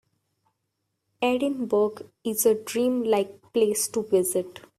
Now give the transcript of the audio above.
Edinburgh is a dream-like place to visit.